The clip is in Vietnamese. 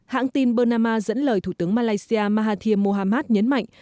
hãng tin bernama dẫn lời thủ tướng malaysia mahathir mohamad nhấn mạnh